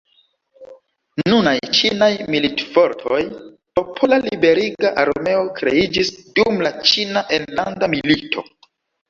Nunaj Ĉinaj militfortoj, Popola Liberiga Armeo kreiĝis dum la Ĉina enlanda milito.